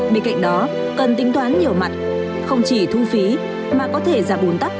bên cạnh đó cần tính toán nhiều mặt không chỉ thu phí mà có thể giảm bùn tắc